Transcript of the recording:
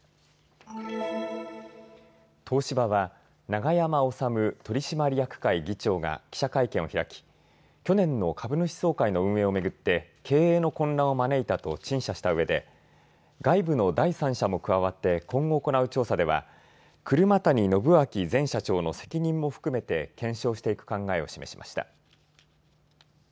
東芝は永山治取締役会議長が記者会見を開き、去年の株主総会の運営を巡って経営の混乱を招いたと陳謝したうえで外部の第三者も加わって今後行う調査では車谷暢昭前社長の責任も含めて検証していく考えを示しました。